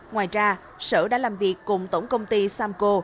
ngoài ra sở đã làm việc cùng tổng công ty samco